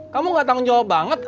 kamu gak tanggung jawab banget